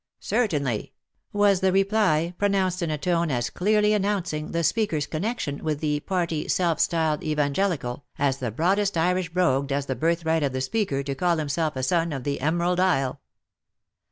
" Certainly !" was the reply, pronounced in a tone as clearly an 240 THE LIFE AND ADVENTURES nouncing the speaker's connexion witbt he party self styled evange lical, as the broadest Irish brogue does the birthright of the speaker to call himself a son of the Emerald Isle.